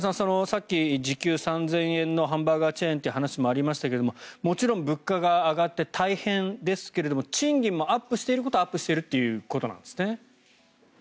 さっき時給３０００円のハンバーガーチェーンという話もありましたがもちろん物価が上がって大変ですけど賃金もアップしていることはアップしているということですね。